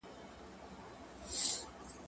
زه سیر کړی دی!!